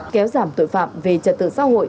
kéo giảm tội phạm về trật tự xã hội